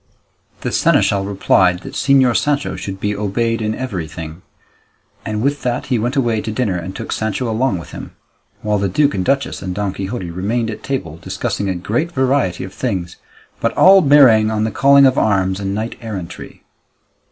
The seneschal replied that Señor Sancho should be obeyed in everything; and with that he went away to dinner and took Sancho along with him, while the duke and duchess and Don Quixote remained at table discussing a great variety of things, but all bearing on the calling of arms and knight errantry.